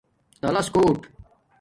تالس کوٹ